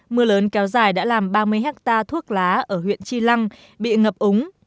mưa lớn kéo dài đã làm ba mươi ha thuốc lá ở huyện tri lăng bị ngập úng